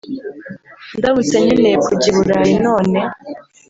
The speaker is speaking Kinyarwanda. “Ndamutse nkeneye kujya i Burayi none